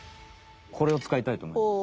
これをつかいたいとおもいます。